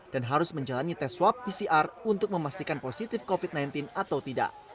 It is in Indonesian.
dan harus menjalani tes swab pcr untuk memastikan positif covid sembilan belas atau tidak